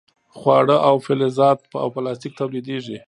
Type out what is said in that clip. خواړه او فلزات او پلاستیک تولیدیږي.